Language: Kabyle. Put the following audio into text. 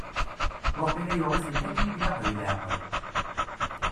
Waqila yuɣ-itent akken i ilaq deg leɛqel.